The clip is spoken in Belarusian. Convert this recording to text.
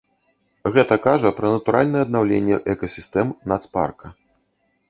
Гэта кажа пра натуральнае аднаўленне экасістэм нацпарка.